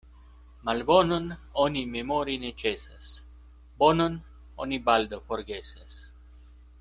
Malbonon oni memori ne ĉesas, bonon oni baldaŭ forgesas.